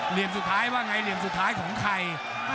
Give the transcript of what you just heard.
เหลี่ยมสุดท้ายว่าไงเหลี่ยมสุดท้ายของใคร